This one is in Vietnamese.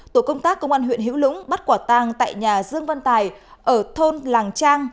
tổ công tác công an huyện hữu lũng bắt quả tang tại nhà dương văn tài ở thôn làng trang